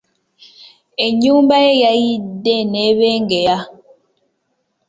Ennyumba ye yayidde n'ebengeya